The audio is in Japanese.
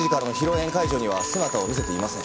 宴会場には姿を見せていません。